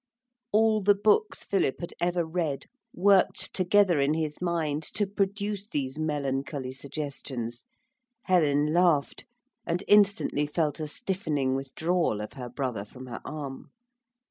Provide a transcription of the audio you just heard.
All the books Philip had ever read worked together in his mind to produce these melancholy suggestions. Helen laughed, and instantly felt a stiffening withdrawal of her brother from her arm.